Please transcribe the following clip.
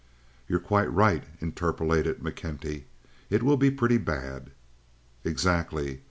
"You're quite right," interpolated McKenty. "It will be pretty bad." "Exactly.